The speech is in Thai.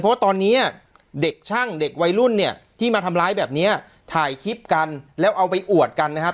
เพราะว่าตอนนี้เด็กช่างเด็กวัยรุ่นเนี่ยที่มาทำร้ายแบบเนี้ยถ่ายคลิปกันแล้วเอาไปอวดกันนะครับ